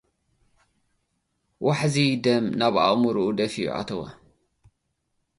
ዋሕዚ ደም፡ ናብ ኣእምሮኡ ደፊኡ ኣተወ።